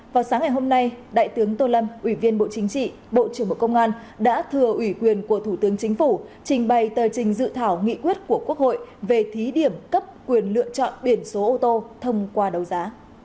vào sáng ngày hôm nay đại tướng tô lâm ủy viên bộ chính trị bộ trưởng bộ công an đã thừa ủy quyền của thủ tướng chính phủ trình bày tờ trình dự thảo nghị quyết của quốc hội về thí điểm cấp quyền lựa chọn biển số ô tô thông qua đấu giá